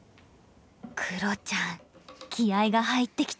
クロちゃん気合いが入ってきたね。